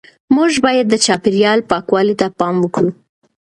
موږ باید د چاپیریال پاکوالي ته پام وکړو.